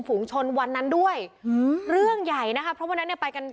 ฝูงชนวันนั้นด้วยอืมเรื่องใหญ่นะคะเพราะวันนั้นเนี่ยไปกัน